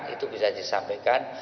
itu bisa disampaikan